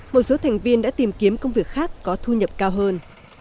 một số thành viên đã tìm kiếm công việc khác có thu nhập cao hơn